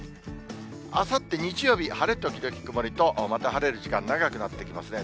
あさって日曜日、晴れ時々曇りと、また晴れる時間、長くなってきますね。